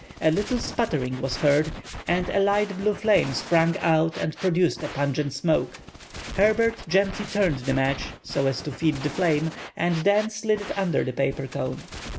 A little sputtering was heard, and a light blue flame sprung out and produced a pungent smoke. Herbert gently turned the match, so as to feed the flame, and then slid it under the paper cone.